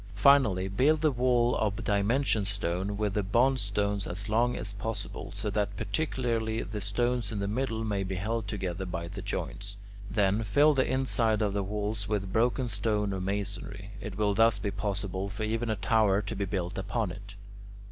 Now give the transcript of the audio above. Finally, build the wall of dimension stone, with the bond stones as long as possible, so that particularly the stones in the middle may be held together by the joints. Then, fill the inside of the wall with broken stone or masonry. It will thus be possible for even a tower to be built upon it.